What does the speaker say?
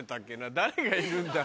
誰がいるんだ？